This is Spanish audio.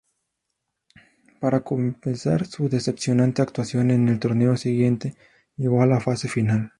Para compensar su decepcionante actuación, en el torneo siguiente llegó a la fase final.